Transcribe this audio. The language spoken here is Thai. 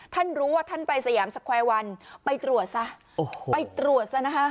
ท่านรู้ว่าท่านไปสยามสแควร์วันไปตรวจซะไปตรวจซะนะคะ